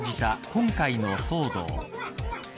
今回の騒動。